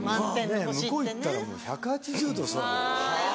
向こう行ったらもう１８０度空なんで。